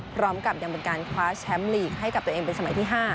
พร้อมกับยังเป็นการคว้าแชมป์ลีกให้กับตัวเองเป็นสมัยที่๕